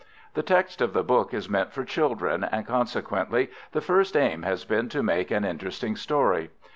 The text of the book is meant for children, and consequently the first aim has been to make an interesting story.